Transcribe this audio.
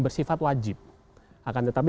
bersifat wajib akan tetapi